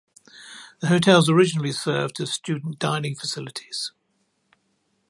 The hotels originally served as student dining facilities.